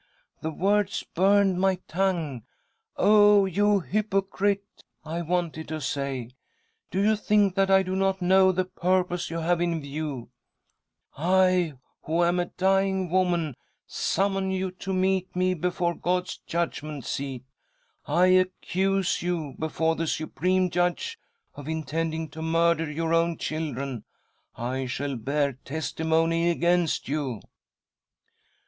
The words .burned my tongue. ' Oh, you hypocrite !' I wanted to say, ' Do you think that I do not know the purpose you have in view ? I, who am a dying woman, summon you to meet me before God's judgment seat ! I accuse you before the Supreme Judge of intending, to murder your own children. I shall bear testimony against you.'